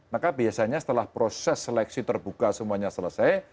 maka biasanya setelah proses seleksi terbuka semuanya selesai